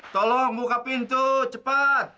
tolong buka pintu cepat